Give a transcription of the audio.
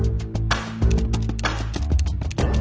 นี่ทำอะไรอยู่พ่อแจกหิวหรือเปล่า